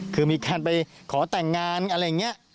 คือมีการไปขอแต่งงานอะไรอย่างนี้